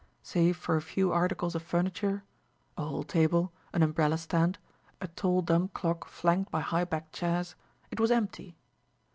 Save for a few articles of furniture, a hall table, an umbrella stand, a tall dumb clock flanked by high backed chairs, it was empty.